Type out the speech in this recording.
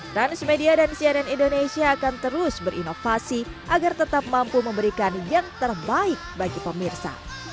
transmedia dan cnn indonesia akan terus berinovasi agar tetap mampu memberikan yang terbaik bagi pemirsa